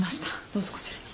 どうぞこちらに。